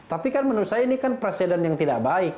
tapi kan menurut saya ini kan presiden yang tidak baik